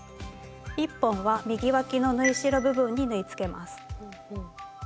１本は右わきの縫い代部分に縫いつけます。